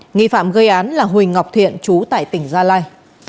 nghị phạm gây án là huỳnh ngọc thiện trú tại tỉnh gia lai